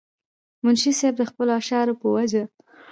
منشي صېب د خپلو اشعارو پۀ وجه